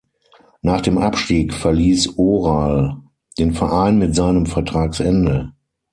Nach dem Abstieg verließ Oral den Verein mit seinem Vertragsende.